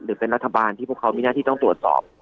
หรือเป็นรัฐบาลที่พวกเขามีหน้าที่ต้องตรวจสอบ